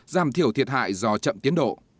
giảm thiểu thiệt hại do chậm tiến độ